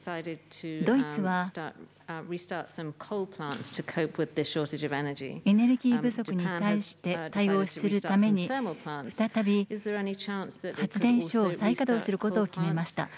ドイツは、エネルギー不足に対して対応するために再び発電所を再稼働することを決めました。